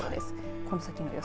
この先の予想